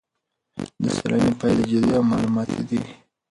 د څېړنې پایلې جدي او معلوماتي دي.